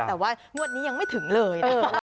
แต่ว่างวดนี้ยังไม่ถึงเลยนะคะ